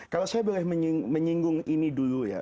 kalau saya boleh menyinggung ini dulu ya